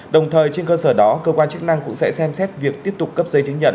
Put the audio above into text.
đồng thời trên cơ sở đó cơ quan chức năng cũng sẽ xem xét việc tiếp tục cấp giấy chứng nhận